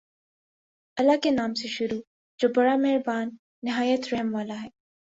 اللہ کے نام سے شروع جو بڑا مہربان نہایت رحم والا ہے